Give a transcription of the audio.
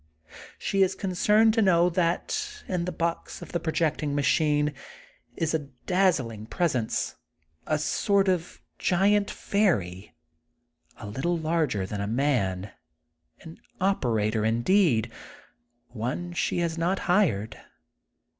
She is concerned to know that in the box of the projecting machine is a dazzling presence, a sort of giant fairy, a little larger than a man, an operator, indeed, one she has not hired.